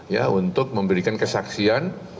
ya untuk memberikan kesaksian